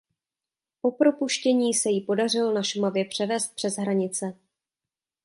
Po propuštění se ji podařilo na Šumavě převést přes hranice.